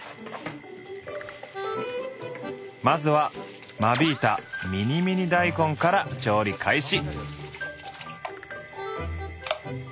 まずは間引いたミニミニ大根から調理開始。